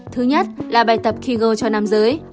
thứ nhất là bài tập kigo cho nam giới